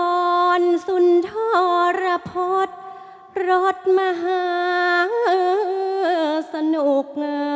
ผ่อนสุนทรพฤษรถมหาสนุก